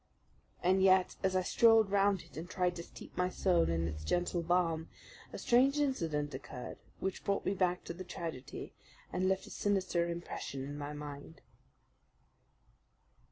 And yet, as I strolled round it and tried to steep my soul in its gentle balm, a strange incident occurred, which brought me back to the tragedy and left a sinister impression in my mind.